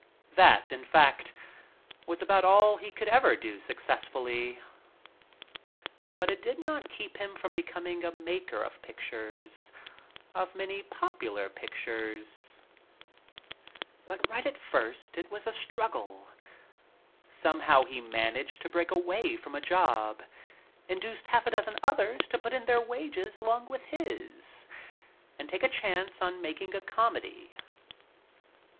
That, in fact, was about all he ever could do su But it did not keep him from becoming a maker of pictures — of many popular pictures, JBut right at first it was a struggle. Somehow he managed to break away from a job — induced half a dozen others to put in their wages along with his and take a chance on making a comedy.